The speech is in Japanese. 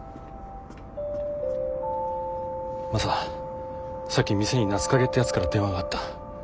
マサさっき店に夏影ってやつから電話があった。